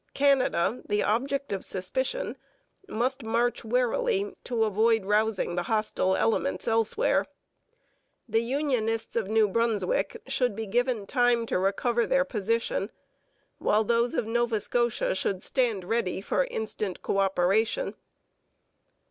Canada, the object of suspicion, must march warily to avoid rousing the hostile elements elsewhere. The unionists of New Brunswick should be given time to recover their position, while those of Nova Scotia should stand ready for instant co operation.